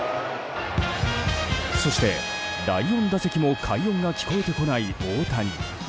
そして第４打席も快音が聞こえてこない大谷。